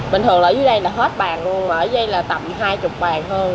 bình thường là ở dưới đây là hết bàn luôn ở dưới đây là tầm hai mươi bàn hơn